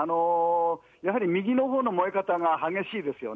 やはり右のほうの燃え方が激しいですよね。